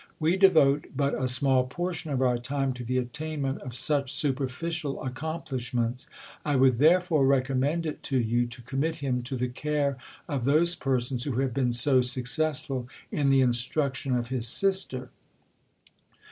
We devote but a small portion of our time to the attainment of such superficial accomplishments. I would therefore recom mend THE COLUMBIAN ORATOR. 193 mend it to you, to commit him to the care of those persons, who have been so successful in the instruction of his sister.